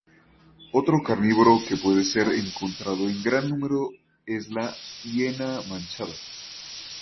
Otro carnívoro que puede ser encontrado en gran número es la hiena manchada.